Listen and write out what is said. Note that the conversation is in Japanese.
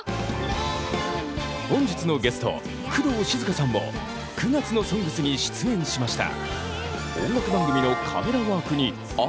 本日のゲスト工藤静香さんも９月の「ＳＯＮＧＳ」に出演しました。